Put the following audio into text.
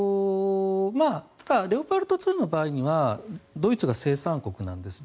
レオパルト２の場合にはドイツが生産国なんです。